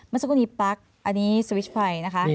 เมื่อสักครู่นี้ปั๊กอันนี้สวิชไฟนะคะ